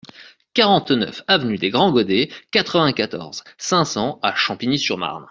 quarante-neuf avenue des Grands Godets, quatre-vingt-quatorze, cinq cents à Champigny-sur-Marne